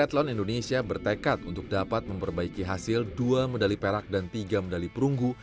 dan indonesia bertekad untuk dapat memperbaiki hasil dua medali perak dan tiga medali perunggu